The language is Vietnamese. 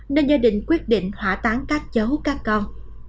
nên gia đình quyết định hỏa táng các cháu các con